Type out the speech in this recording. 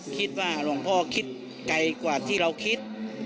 คิดว่าหลวงพ่อคิดไกลกว่าที่เราคิด